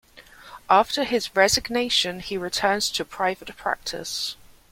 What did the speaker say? After his resignation, he returned to private practice.